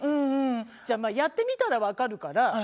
じゃあまあやってみたらわかるから。